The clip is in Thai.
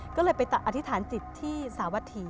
ก็เลยไปอธิษฐานจิตที่สาวัฐี